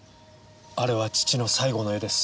あれは父の最後の絵です。